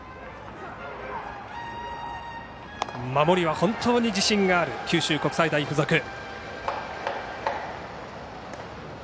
守りは本当に自信がある九州国際大付属。